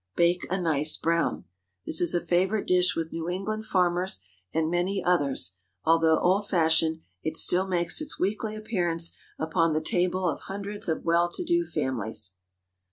Bake a nice brown. This is a favorite dish with New England farmers and many others. Although old fashioned, it still makes its weekly appearance upon the tables of hundreds of well to do families.